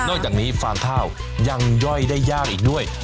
๑๒๗๐๐๑นอกอย่างนี้ฟางข้าวยังย่อยได้ยากอีกด้วย